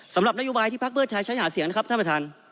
สำหรับนโยบายที่พักเพื่อไทยใช้หาเสียงนะครับท่านประธาน